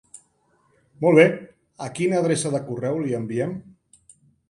Molt bé, a quina adreça de correu li enviem?